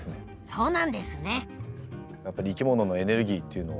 そうなんですね。